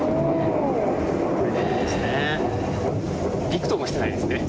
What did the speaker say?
びくともしてないですね。